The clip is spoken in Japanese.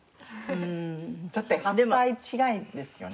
だって８歳違いですよね。